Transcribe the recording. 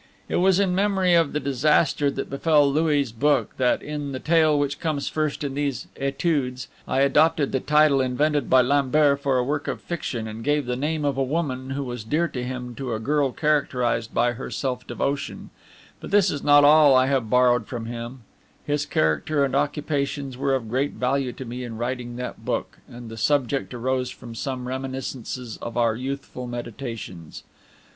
It was in memory of the disaster that befell Louis' book that, in the tale which comes first in these Etudes, I adopted the title invented by Lambert for a work of fiction, and gave the name of a woman who was dear to him to a girl characterized by her self devotion; but this is not all I have borrowed from him: his character and occupations were of great value to me in writing that book, and the subject arose from some reminiscences of our youthful meditations.